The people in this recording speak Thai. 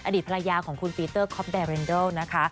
อดีตภรรยาของคุณปีเตอร์คอปแดเรนเดิลนะคะ